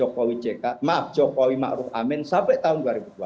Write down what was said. kita memang mendukung pemerintahan jokowi ma'ruf amin sampai tahun dua ribu dua puluh empat